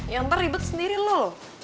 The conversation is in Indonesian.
ya ntar ribet sendiri lo loh